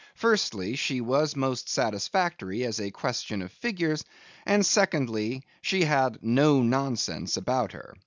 Firstly, she was most satisfactory as a question of figures; and, secondly, she had 'no nonsense' about her.